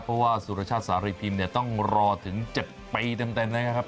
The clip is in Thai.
เพราะว่าสุรชาติสารีพิมพ์เนี่ยต้องรอถึง๗ปีเต็มนะครับ